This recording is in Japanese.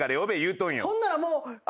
ほんならもう。